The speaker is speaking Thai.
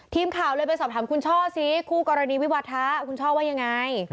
ทีมข่าวเลยไปสอบถามคุณช่อซิคู่กรณีวิวาทะคุณช่อว่ายังไง